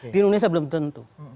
di indonesia belum tentu